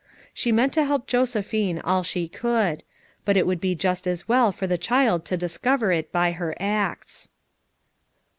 She meant to help Josephine all she could; but it would be just as well for the child to discover it by her acts.